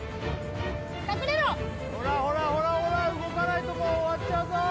ほらほらほらほら動かないともう終わっちゃうぞ！